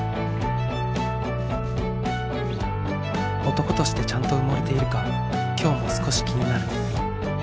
男としてちゃんと埋もれているか今日も少し気になる。